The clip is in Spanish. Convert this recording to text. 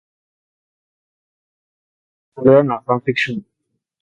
Los grandes estudios generalmente toleran la fanfiction.